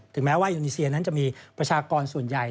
แม้ว่าอินโดนีเซียนั้นจะมีประชากรส่วนใหญ่